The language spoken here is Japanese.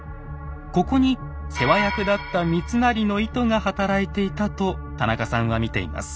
ここに世話役だった三成の意図が働いていたと田中さんは見ています。